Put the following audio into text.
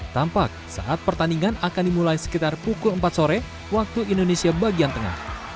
tampak saat pertandingan akan dimulai sekitar pukul empat sore waktu indonesia bagian tengah